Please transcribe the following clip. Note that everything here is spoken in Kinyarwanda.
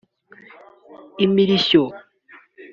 Imirishyo